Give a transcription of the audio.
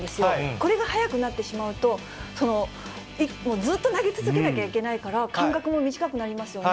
これがはやくなってしまうと、ずっと投げ続けなきゃいけないから、間隔も短くなりますよね。